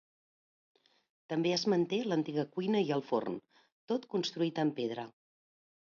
També es manté l'antiga cuina i el forn, tot construït en pedra.